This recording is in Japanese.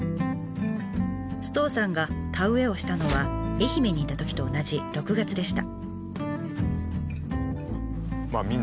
首藤さんが田植えをしたのは愛媛にいたときと同じ６月でした。